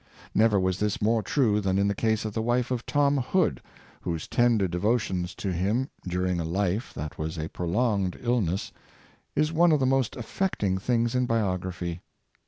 Never was this more true than in the case of the wife of Tom Hood, whose tender de votions to him, during a life that was a prolonged ill ness, is one of the most affecting things in biography.